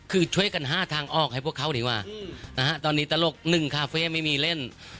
คือช่วยกันหาทางออกให้พวกเขาดีกว่านะฮะตอนนี้ตลกหนึ่งคาเฟ่ไม่มีเล่น